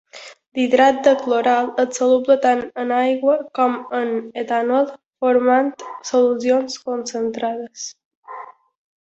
L'hidrat de cloral és soluble tant en aigua com en etanol, formant solucions concentrades.